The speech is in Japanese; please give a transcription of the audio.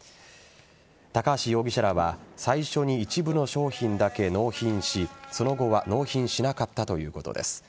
高橋容疑者らは最初に一部の商品だけ納品しその後は納品しなかったということです。